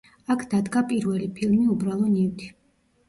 აქ დადგა პირველი ფილმი „უბრალო ნივთი“.